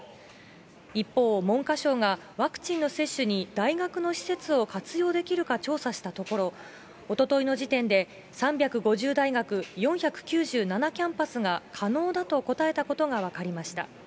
一方、文科省がワクチンの接種に大学の施設を活用できるか調査したところ、おとといの時点で、３５０大学、４９７キャンパスが、可能だと答えたことが分かりました。